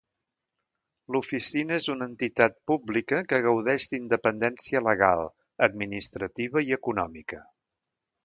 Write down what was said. L'Oficina és una entitat pública que gaudeix d'independència legal, administrativa i econòmica.